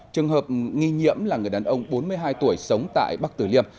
trường hợp nghi nhiễm là người đàn ông bốn mươi hai tuổi sống tại bắc tử liêm